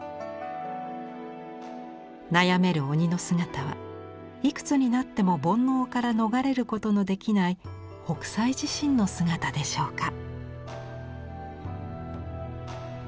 悩める鬼の姿はいくつになっても煩悩から逃れることのできない北斎自身の姿でしょうか？